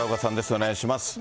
お願いします。